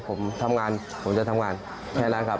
ผมทำงานผมจะทำงานชายร้านครับ